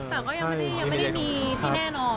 แต่ก็ยังไม่ได้ยังไม่ได้พี่แน่นอน